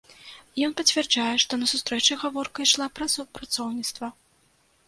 Ён пацвярджае, што на сустрэчы гаворка ішла пра супрацоўніцтва.